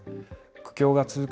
苦境が続く